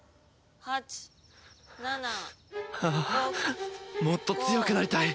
ああもっと強くなりたい！